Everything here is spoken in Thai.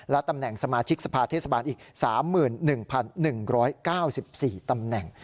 ตำแหน่งสมาชิกสภาเทศบาลอีก๓๑๑๙๔ตำแหน่ง